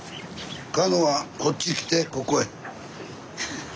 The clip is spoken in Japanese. カノアこっち来てここへ。